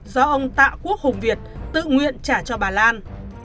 do ông tạ quốc hùng việt tự nguyện trả cho bà lan